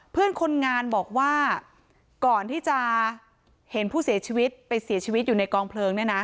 เพื่อนคนงานบอกว่าก่อนที่จะเห็นผู้เสียชีวิตไปเสียชีวิตอยู่ในกองเพลิงเนี่ยนะ